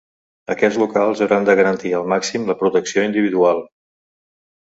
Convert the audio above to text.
Aquests locals hauran de garantir al màxim la protecció individual.